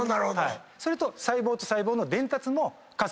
それと細胞と細胞の伝達も活性酸素です。